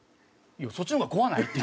いやそっちのが怖ない？